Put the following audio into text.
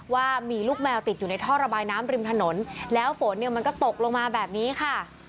ว่ามีลูกแมวติดอยู่ในท่อระบายน้ำริมถนนแล้วฝนเนี่ยมันก็ตกลงมาแบบนี้ค่ะ